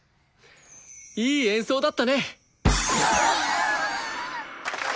いい演奏だったね！